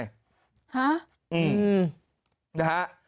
ฮะอืมนะฮะ